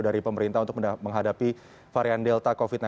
dari pemerintah untuk menghadapi varian delta covid sembilan belas